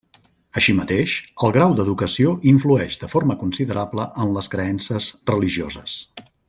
Així mateix, el grau d'educació influeix de forma considerable en les creences religioses.